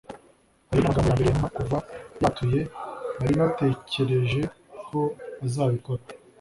ayo ni amagambo ya mbere ya mama kuva yatuye. nari natekereje ko azabikora